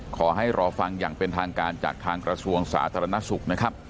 ขอให้รอฟังอย่างเป็นทางการจากทางกระทรวงศาสตรนสุข